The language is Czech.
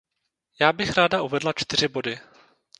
Já bych ráda uvedla čtyři body.